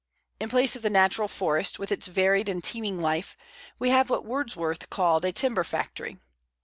In place of the natural forest, with its varied and teeming life, we have what Wordsworth called a timber factory.